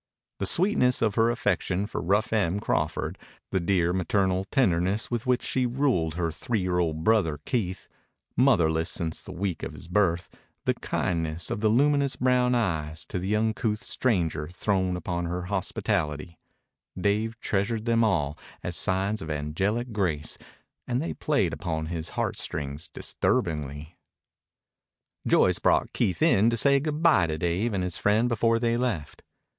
The sweetness of her affection for rough Em Crawford, the dear, maternal tenderness with which she ruled her three year old brother Keith, motherless since the week of his birth, the kindness of the luminous brown eyes to the uncouth stranger thrown upon her hospitality: Dave treasured them all as signs of angelic grace, and they played upon his heartstrings disturbingly. Joyce brought Keith in to say good bye to Dave and his friend before they left.